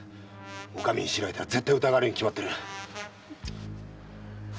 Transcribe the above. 〔お上に知られたら絶対疑われるに決まってる〕